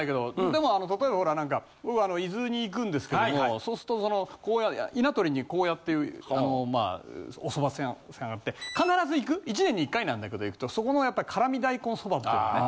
でも例えばほらなんか僕伊豆に行くんですけどそうすると稲取に誇宇耶っていうおそば屋さんがあって必ず行く１年に１回なんだけど行くとそこの辛味大根そばっていうのね。